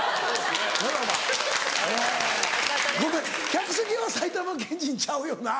客席は埼玉県人ちゃうよな？